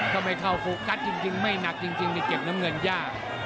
ทำให้เข้าฟูกัสจริงไม่หนักจริงแต่เก็บน้ำเงินยาก